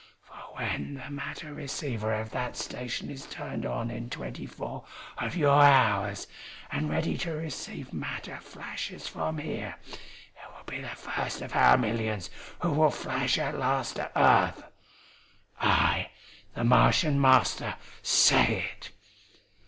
For when the matter receiver of that station is turned on in twenty four of your hours, and ready to receive matter flashes from here, it will be the first of our millions who will flash at last to earth! "I, the Martian Master, say it.